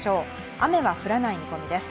雨は降らない見込みです。